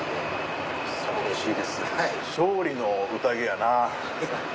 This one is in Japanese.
勝利の宴やな。